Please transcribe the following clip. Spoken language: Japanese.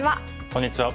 こんにちは。